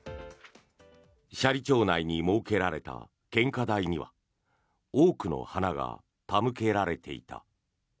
斜里町内に設けられた献花台には多くの花が手向けられていた。